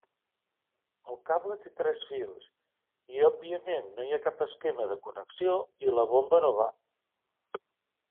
El cable té tres fils i òbviament no hi ha cap esquema de connexió i la bomba no va.